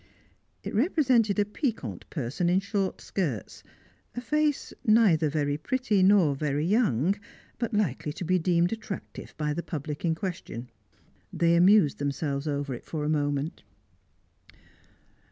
It represented a piquant person in short skirts; a face neither very pretty nor very young, but likely to be deemed attractive by the public in question. They amused themselves over it for a moment.